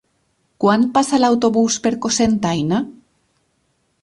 Quan passa l'autobús per Cocentaina?